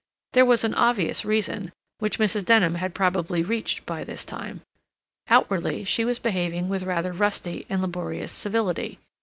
There was an obvious reason, which Mrs. Denham had probably reached by this time. Outwardly, she was behaving with rather rusty and laborious civility.